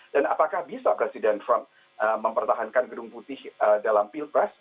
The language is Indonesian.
dan apakah bisa presiden trump mempertahankan gedung putih dalam pilpres